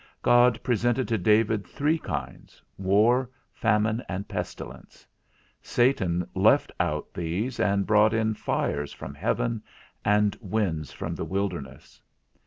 God presented to David three kinds, war, famine and pestilence; Satan left out these, and brought in fires from heaven and winds from the wilderness.